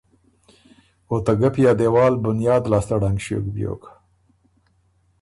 او ته ګپی ا دېوال بنیاد لاسته ړنګ ݭیوک بیوک۔